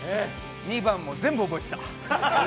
２番も全部覚えてた！